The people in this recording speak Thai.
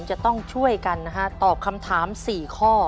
จะต้องช่วยกันนะฮะตอบคำถาม๔ข้อ